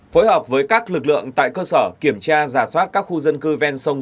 phối hợp với các lực lượng tại cơ sở kiểm tra giả soát các khu dân cư ven sông